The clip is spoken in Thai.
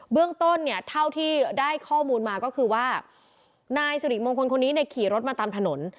เรื่องต้นเนี่ยเท่าที่ได้ข้อมูลมาก็คือว่านายสิริมงคลคนนี้เนี่ยขี่รถมาตามถนน